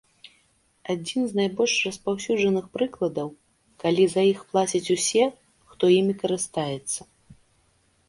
Адзін з найбольш распаўсюджаных прыкладаў, калі за іх плацяць усе, хто імі карыстаецца.